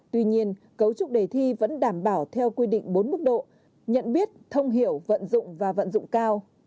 tuy nhiên cấu trúc đề thi vẫn đảm bảo theo quy định bốn mức độ nhận biết thông hiểu vận dụng và vận dụng cao